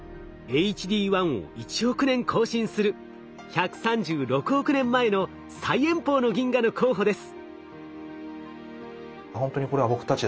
ＨＤ１を１億年更新する１３６億年前の最遠方の銀河の候補です。